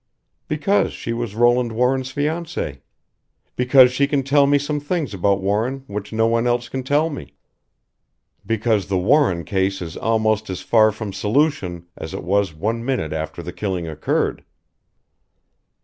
"Because she was Roland Warren's fiancée. Because she can tell me some things about Warren which no one else can tell me. Because the Warren case is almost as far from solution as it was one minute after the killing occurred."